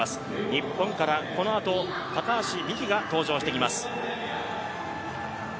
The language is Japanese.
日本からこのあと高橋美紀が登場してきます。